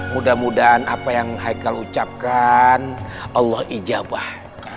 mudah mudahan apa yang haikal ucapkan allah ijabah